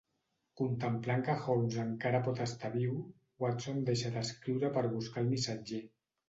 Contemplant que Holmes encara pot estar viu, Watson deixa d'escriure per buscar al missatger.